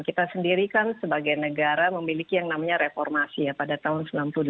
kita sendiri kan sebagai negara memiliki yang namanya reformasi ya pada tahun seribu sembilan ratus sembilan puluh delapan